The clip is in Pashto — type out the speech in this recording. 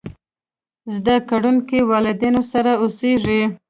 زده کړونکي والدينو سره اوسېږي.